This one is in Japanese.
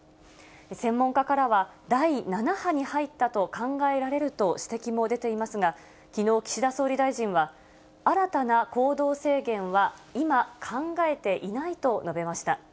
専門家からは、第７波に入ったと考えられると指摘も出ていますが、きのう、岸田総理大臣は、新たな行動制限は今、考えていないと述べました。